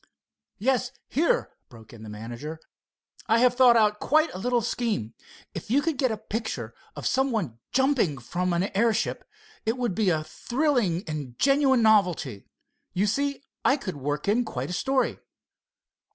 "Yes, here," broke in the manager. "I have thought out quite a little scheme. If I could get a picture of some one jumping from an airship it would be a thrilling and a genuine novelty. You see, I could work in quite a story."